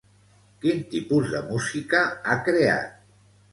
Quin tipus de música ha creat?